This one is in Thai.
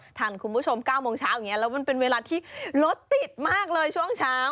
ทันคุณผู้ชม๙โมงเช้าอย่างนี้แล้วมันเป็นเวลาที่รถติดมากเลยช่วงเช้า